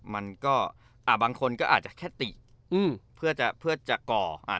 มันก็อ่าบางคนก็อาจจะแค่ติอืมเพื่อจะเพื่อจะก่ออ่า